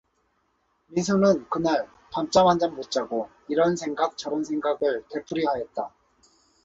민수는 그날 밤잠 한 잠 못 자고 이런 생각 저런 생각을 되풀이하였다.